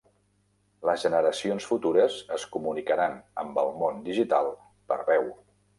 Les generacions futures es comunicaran amb el món digital per veu.